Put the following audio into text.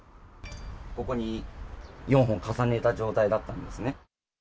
ここに４本重ねた状態だったんですね。